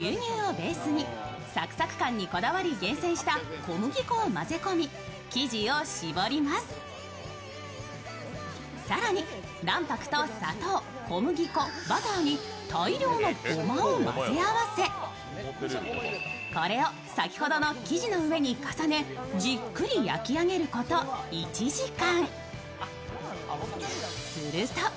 北海道産無塩バター、牛乳をベースにサクサク感にこだわり厳選した小麦粉を混ぜ込み、生地を絞ります更に、卵白と砂糖小麦粉、バターに大量のごまを混ぜ合わせこれを先ほどの生地の上に重ねじっくり焼き上げること１時間。